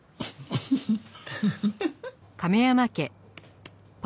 フフフッ。